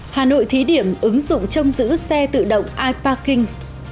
hà nội thí điểm ứng dụng trong giữ xe tự động i parking